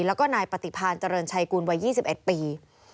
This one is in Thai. แล้วก็นายปฏิพาณเจริญชัยกูลวัย๒๑ปี